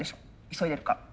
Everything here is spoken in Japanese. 急いでるから。